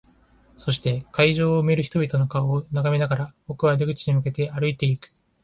そして、会場を埋める人々の顔を眺めながら、僕は出口に向けて歩いていく。